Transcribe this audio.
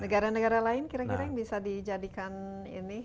negara negara lain kira kira yang bisa dijadikan ini